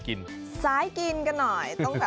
กลับมาในช่วงนี้ใช่